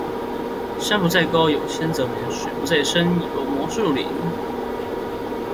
山不在高，有仙則名。水不在深，有魔術靈